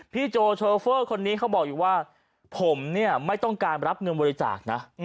โจโชเฟอร์คนนี้เขาบอกอยู่ว่าผมเนี่ยไม่ต้องการรับเงินบริจาคนะ